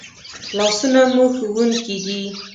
لاسونه مو ښوونکي دي